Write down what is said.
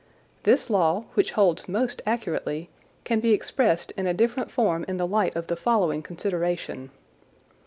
This law, which holds most accurately, can be expressed in a different form in the light of the following consideration.